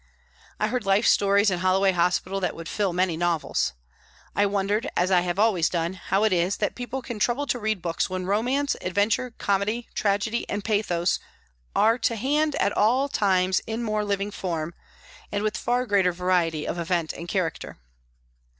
I heard life stories in Hollo way hospital that would fill many novels. I wondered, as I have always done, how it is that people can trouble to read books when romance, adventure, comedy, tragedy and pathos are to hand at all times in more living form and with far greater variety of event and character.